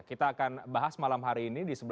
kita akan bahas malam hari ini